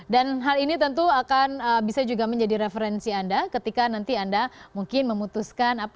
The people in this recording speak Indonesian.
dan hal ini tentu akan bisa juga menjadi referensi anda ketika nanti anda mungkin memutuskan